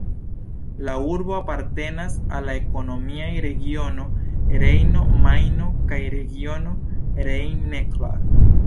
La urbo apartenas al la ekonomiaj regiono Rejno-Majno kaj regiono Rhein-Neckar.